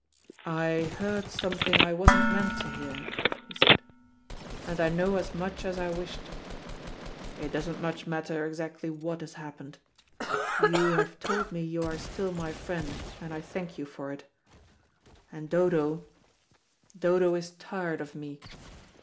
"I heard something I wasn't meant to hear," he said, "and I know as much as I wish to. It doesn't much matter exactly what has happened. You have told me you are still my friend, and I thank you for it. And Dodo Dodo is tired of me.